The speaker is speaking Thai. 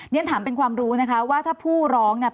เรียนถามเป็นความรู้นะคะว่าถ้าผู้ร้องเนี่ย